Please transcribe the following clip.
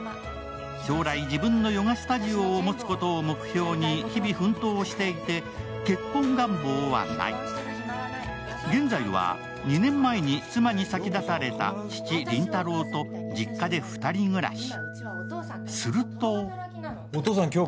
将来、自分のヨガスタジオを持つことを目標に日々奮闘していて、結婚願望はない現在は、２年前に妻に先立たれた父、林太郎と実家で２人暮らし。